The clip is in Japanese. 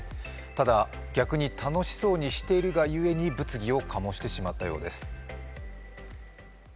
ただ逆に楽しそうにしているがゆえに物議を醸してしまったようです。